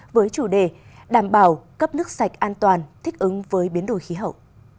với chủ đề đảm bảo cấp nước sạch an toàn thích ứng với biến đổi khí hậu